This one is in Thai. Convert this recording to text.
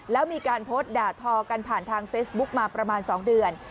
แล้วมีการโพสต์ด่าทอกันผ่านทางเฟซบุ๊กมาประมาณ๒เดือน